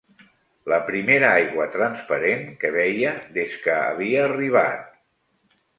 La primera aigua transparent que veia des que havia arribat